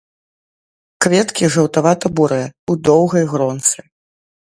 Кветкі жаўтавата-бурыя, у доўгай гронцы.